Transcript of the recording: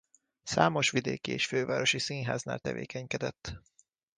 Számos vidéki és fővárosi színháznál tevékenykedett.